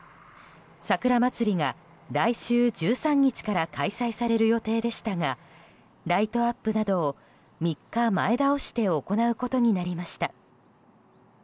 さくら祭りが、来週１３日から開催される予定でしたがライトアップなどを３日前倒して行われることになりました。